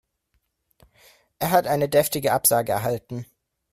Er hat eine deftige Absage erhalten.